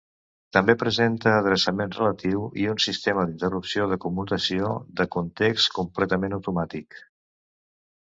També presenta adreçament relatiu i un sistema d'interrupció de commutació de context completament automàtic.